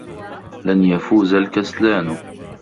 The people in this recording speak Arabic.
لَنْ يَفُوزَ الْكَسْلاَنُ.